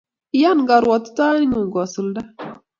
Iyan karuatitoet ngung kosulda